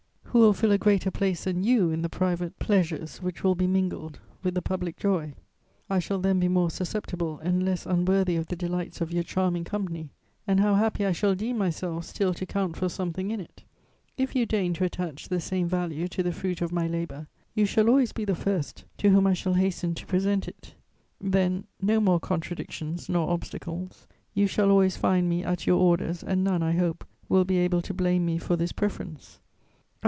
Who will fill a greater place than you in the private pleasures which will be mingled with the public joy? I shall then be more susceptible and less unworthy of the delights of your charming company, and how happy I shall deem myself still to count for something in it! If you deign to attach the same value to the fruit of my labour, you shall always be the first to whom I shall hasten to present it. Then no more contradictions nor obstacles; you shall always find me at your orders, and none, I hope, will be able to blame me for this preference.